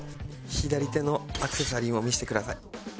左手のアクセサリーも見せてください。